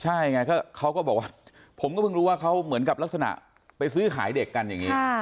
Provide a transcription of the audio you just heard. ใช่ไงเขาก็บอกว่าผมก็เพิ่งรู้ว่าเขาเหมือนกับลักษณะไปซื้อขายเด็กกันอย่างนี้